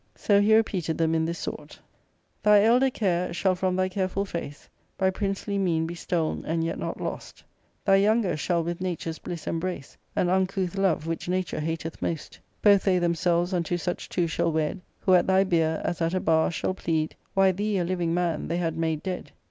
So he repeated them in this sort :—Thy elder care shall from thy careful face By princely mean be stol'n, and yet not lost ; Thy younger shall with nature's bliss embrace An micouth love, which nature hateth most ; Both they themselves unto such two shall wed. Who at thy bier, as at a bar, shall plead Why thee, a living man, they had made dead.